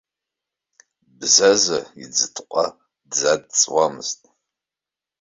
Бзаза иӡытҟәа дзадҵуамызт.